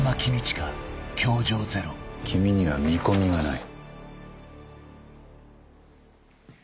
「君には見込みがない」